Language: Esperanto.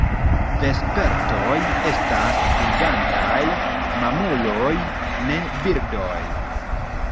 Vespertoj estas flugantaj mamuloj, ne birdoj.